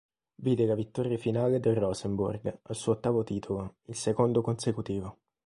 Vide la vittoria finale del Rosenborg, al suo ottavo titolo, il secondo consecutivo.